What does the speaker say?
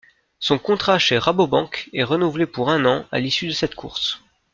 Son contrat chez Rabobank est renouvelé pour un an à l'issue de cette course.